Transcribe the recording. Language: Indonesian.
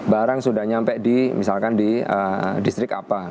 barang sudah nyampe di misalkan di distrik apa